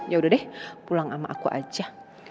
yaudah deh pulang sama aku aja